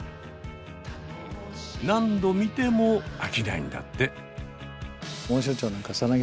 何度見ても飽きないんだって。